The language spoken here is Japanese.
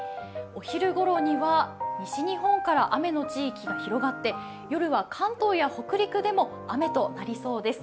お昼ごろには、西日本から雨の地域が広がって夜は関東や北陸でも雨となりそうです。